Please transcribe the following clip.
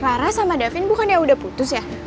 rara sama davin bukan ya udah putus ya